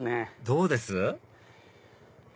どうです？